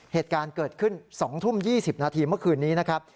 เหตุการณ์เกิดขึ้น๒ทุ่ม๒๐นาทีเมื่อคืนนี้นะครับ